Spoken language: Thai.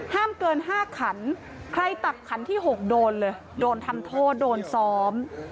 ห้ามเกิน๕ขันใครตักขันที่๖โดนเลยโดนทำโทษโดนซ้อม